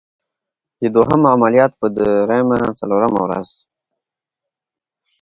د دوهم عملیات په دریمه څلورمه ورځ.